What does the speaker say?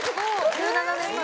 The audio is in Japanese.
１７年前。